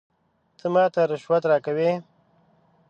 ته ماته رشوت راکوې ؟